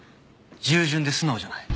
従順で素直じゃない。